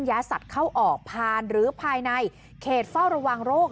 สัตว์เข้าออกผ่านหรือภายในเขตเฝ้าระวังโรค